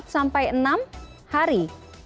empat sampai enam hari